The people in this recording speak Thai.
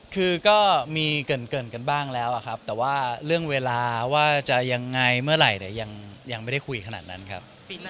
คือก็มีเกินกันบ้างแล้วครับแต่ว่าเรื่องเวลาว่าจะยังไงเมื่อไหร่แต่ยังไม่ได้คุยขนาดนั้นครับ